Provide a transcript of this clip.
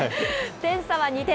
点差は２点。